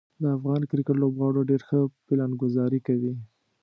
د افغان کرکټ لوبغاړو ډیر ښه پلانګذاري کوي.